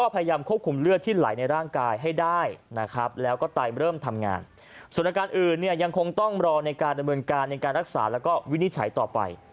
ประการอื่นยังคงต้องรอในการดำเนินการในการรักษาและวินิจฉัยต่อไป